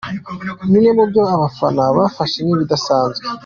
Bimwe mu byo abafana bafashe nk'ibidasanzwe:.